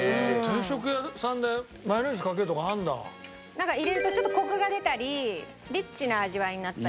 なんか入れるとちょっとコクが出たりリッチな味わいになったり。